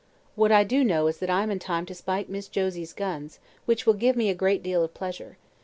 What I do know is that I'm in time to spike Miss Josie's guns, which will give me a great deal of pleasure.